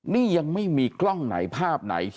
นี่ยังไม่มีกล้องไหนภาพไหน